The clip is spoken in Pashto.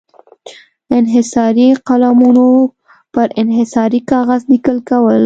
انحصاري قلمونو پر انحصاري کاغذ لیکل کول.